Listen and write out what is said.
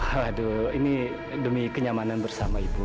waduh ini demi kenyamanan bersama ibu